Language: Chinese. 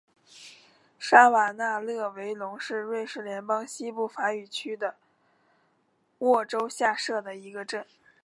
沙瓦讷勒维龙是瑞士联邦西部法语区的沃州下设的一个镇。